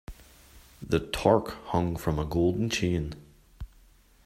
The torque hung from a golden chain.